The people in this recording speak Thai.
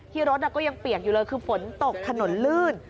รถก็ยังเปียกอยู่เลยคือฝนตกถนนลื่น